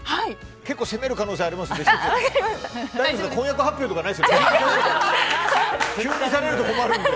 結構、攻める可能性ありますので。